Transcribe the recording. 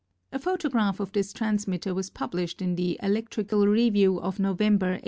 A photograph of this transmitter was published in the Electrical Review of November, 1898.